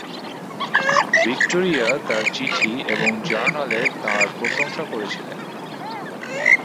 Victoria তার চিঠি এবং জার্নালে তাঁর প্রশংসা করেছিলেন।